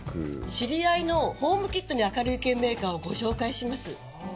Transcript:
知り合いのホームキットに明るい系メーカーをご紹介します。